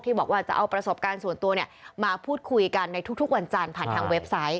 บอกว่าจะเอาประสบการณ์ส่วนตัวมาพูดคุยกันในทุกวันจันทร์ผ่านทางเว็บไซต์